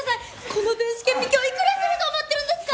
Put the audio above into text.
この電子顕微鏡いくらすると思ってるんですか。